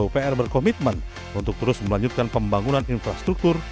pupr berkomitmen untuk terus melanjutkan pembangunan infrastruktur